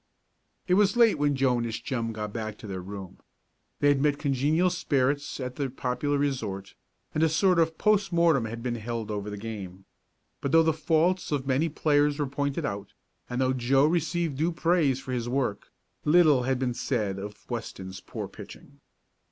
It was late when Joe and his chum got back to their room. They had met congenial spirits at the popular resort, and a sort of post mortem had been held over the game. But, though the faults of many players were pointed out, and though Joe received due praise for his work, little had been said of Weston's poor pitching.